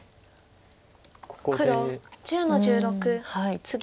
黒１０の十六ツギ。